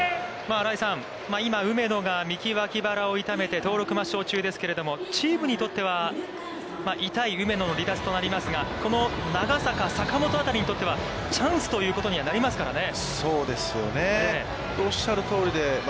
新井さん、今梅野が右脇腹を痛めて登録抹消中ですけれども、チームにとっては痛い梅野の離脱となりますが、この長坂、坂本あたりにとってはチャンスということにはなりますからね。